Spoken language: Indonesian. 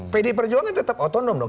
pdi perjuangan tetap otonom dong